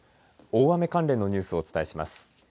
大雨関連のニュースをお伝えします。